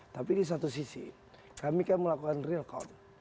tapi di satu sisi kami kan melakukan realcon